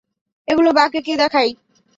এগুলো বাকে, কে দেখাই।